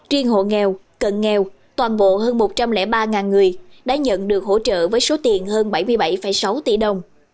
riêng hộ nghèo cận nghèo toàn bộ hơn một trăm linh ba người đã nhận được hỗ trợ với số tiền hơn bảy mươi bảy sáu tỷ đồng